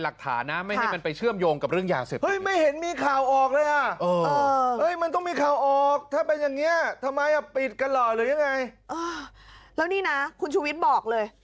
แล้วนี่นะคุณชูวิทย์บอกเลย